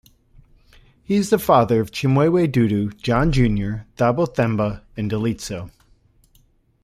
He is the father of Chimwemwe Dudu, John Junior, Thabo Themba, and Dalitso.